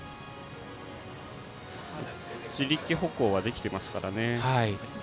自力歩行はできていますからね。